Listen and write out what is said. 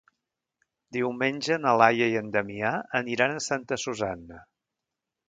Diumenge na Laia i en Damià aniran a Santa Susanna.